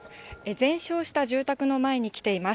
全焼した住宅の前に来ています。